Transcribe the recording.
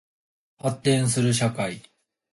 発展する社会